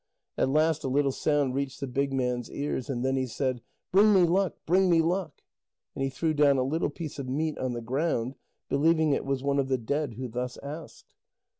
At last a little sound reached the big man's ears, and then he said: "Bring me luck, bring me luck!" And he threw down a little piece of meat on the ground, believing it was one of the dead who thus asked.